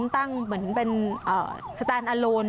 เป็นสแตนอลโลนตั้งเล็ก